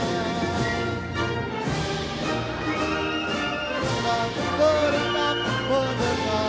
pemenangan peleg dan pilpres dua ribu dua puluh empat